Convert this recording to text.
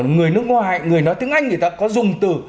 người nước ngoài người nói tiếng anh người ta có dùng từ